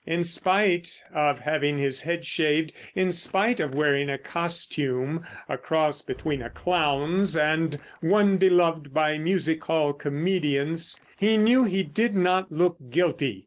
In spite of having his head shaved, in spite of wearing a costume—a cross between a clown's and one beloved by music hall comedians—he knew he did not look guilty.